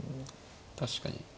確かに。